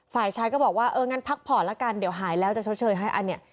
ฝ่ายชายก็บอกว่าเอองั้นพักผ่อนละกันเดี๋ยวหายแล้วจะชดเชยให้อันนี้